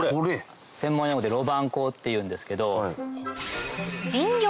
専門用語で路盤工っていうんですけど。